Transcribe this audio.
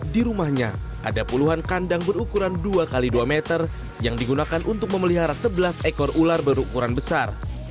di rumahnya ada puluhan kandang berukuran dua x dua meter yang digunakan untuk memelihara sebelas ekor ular berukuran besar